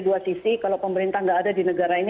dua sisi kalau pemerintah nggak ada di negara ini